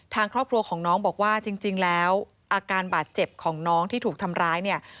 ทางครอบครัวของน้องบอกว่าจริงแล้วอาการบาดเจ็บของน้องที่ถูกทำร้ายเนี่ย